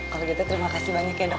kalau gitu terima kasih banyak ya dok